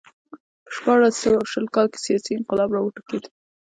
په شپاړس سوه شل کال کې سیاسي انقلاب راوټوکېد